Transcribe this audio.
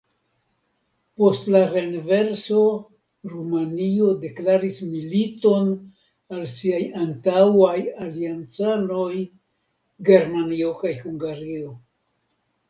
Post la renverso Rumanio deklaris militon al siaj antaŭaj aliancanoj Germanio kaj Hungario.